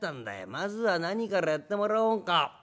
まずは何からやってもらおうか」。